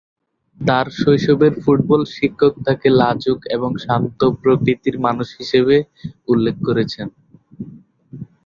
তার শৈশবের ফুটবল শিক্ষক তাকে লাজুক এবং শান্ত প্রকৃতির মানুষ হিসেবে উল্লেখ করেছেন।